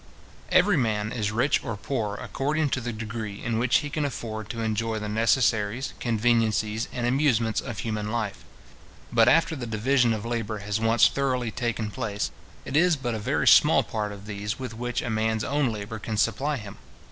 Every man is rich or poor according to the degree in which he can afford to enjoy the necessaries, conveniencies, and amusements of human life. But after the division of labour has once thoroughly taken place, it is but a very small part of these with which a man's own labour can supply him.